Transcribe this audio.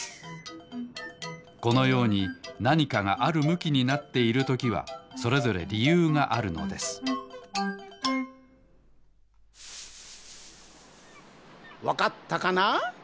このようになにかがあるむきになっているときはそれぞれりゆうがあるのですわかったかな？